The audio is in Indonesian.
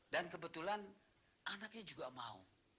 dan kebetulan anaknya juga mau